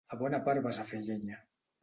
A bona part vas a fer llenya!